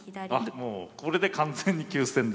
もうこれで完全に急戦ですよね。